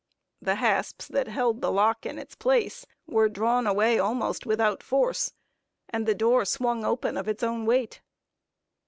The hasps that held the lock in its place, were drawn away almost without force, and the door swung open of its own weight.